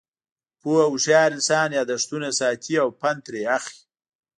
پوه او هوشیار انسان، یاداښتونه ساتي او پند ترې اخلي.